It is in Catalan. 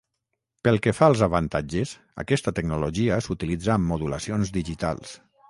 Pel que fa als avantatges, aquesta tecnologia s’utilitza amb modulacions digitals.